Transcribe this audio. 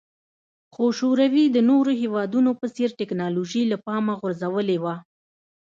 خو شوروي د نورو هېوادونو په څېر ټکنالوژي له پامه غورځولې وه